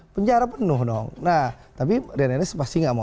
penjara penuh dong nah tapi rian ennes pasti gak mau ngaku